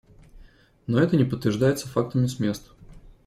Но это не подтверждается фактами с мест.